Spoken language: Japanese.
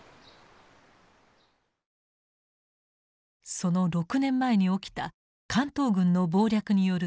その６年前に起きた関東軍の謀略による満州事変。